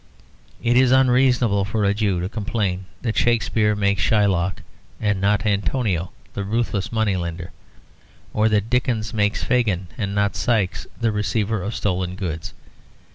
It is unreasonable for a Jew to complain that Shakespeare makes Shylock and not Antonio the ruthless money lender; or that Dickens makes Fagin and not Sikes the receiver of stolen goods.